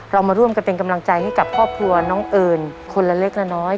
เรามาร่วมกันเป็นกำลังใจให้กับครอบครัวน้องเอิญคนละเล็กละน้อย